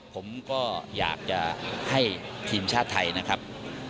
ผมก็อยากจะให้ทีมชาติไทยนะครับ